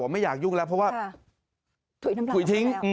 ไม่อยากยุ่งแล้วเพราะว่าถุยทิ้ง